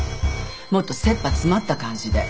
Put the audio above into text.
もっと切羽詰まった感じで。